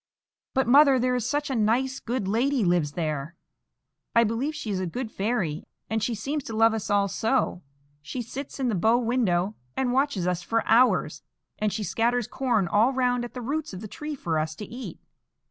"But, mother, there is such a nice, good lady lives there! I believe she is a good fairy, and she seems to love us all so; she sits in the bow window and watches us for hours, and she scatters corn all round at the roots of the tree for us to eat."